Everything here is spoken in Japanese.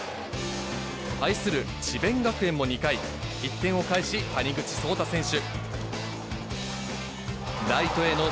対する智弁学園も２回、１点を返し、谷口そうた選手。